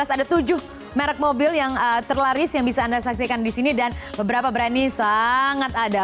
ada tujuh merek mobil yang terlaris yang bisa anda saksikan di sini dan beberapa berani sangat ada